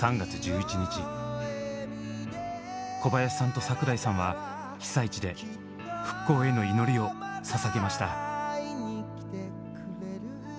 小林さんと櫻井さんは被災地で復興への祈りを捧げました。